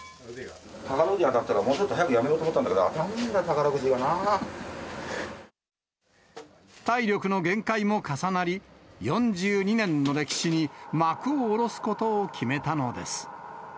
宝くじ当たったら、もうちょっと早くやめようと思ったんだけど、当たらねーんだよ、体力の限界も重なり、４２年の歴史に幕を下ろすことを決めたのです。